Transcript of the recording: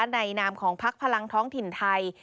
นามของพักพลังท้องถิ่นไทย